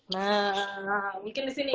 nah mungkin di sini